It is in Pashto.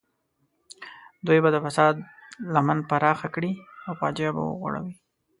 دوی به د فساد لمن پراخه کړي او فاجعه به وغوړوي.